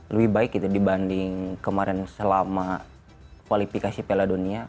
lebih baik gitu dibanding kemarin selama kualifikasi piala dunia